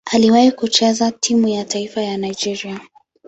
Aliwahi kucheza timu ya taifa ya Nigeria.